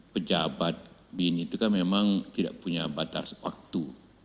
pejabat bin itu kan memang tidak punya batas waktu